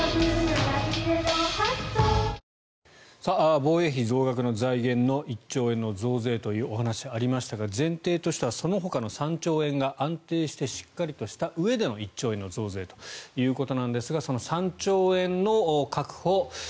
防衛費増額の財源の１兆円の増税というお話がありましたが前提としてはそのほかの３兆円が安定してしっかりとしたうえでの１兆円の増税ということですがその３兆円の確保